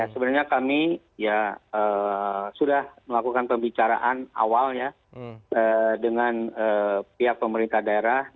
sebenarnya kami ya sudah melakukan pembicaraan awalnya dengan pihak pemerintah daerah